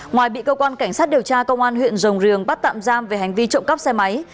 ngoài bị cơ quan cảnh sát điều tra công an huyện rồng riềng bắt tạm giam về hành vi trộm cắp xe máy